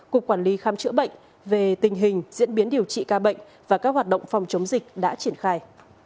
cục quản lý khám chữa bệnh về tình hình diễn biến điều trị ca bệnh và các hoạt động phòng chống dịch đã triển khai